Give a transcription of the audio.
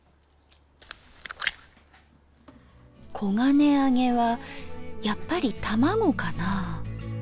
黄金あげはやっぱり卵かなあ。